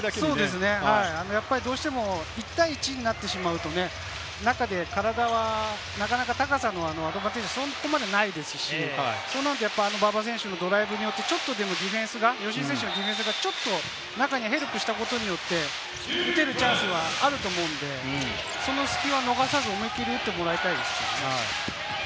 どうしても１対１になってしまうとね、中で体はなかなか高さのアドバンテージはそこまでないですし、そうなると馬場選手のドライブによってディフェンスがちょっと中にヘルプしたことによって、打てるチャンスはあると思うので、その隙は逃がさず思い切り打ってほしいですね。